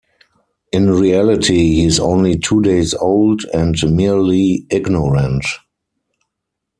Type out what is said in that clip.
In reality, he is only two days old and merely ignorant.